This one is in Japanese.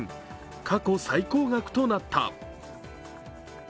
過去最高額となった。